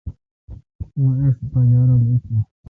مہ ایݭٹ بجا رل اُتہ۔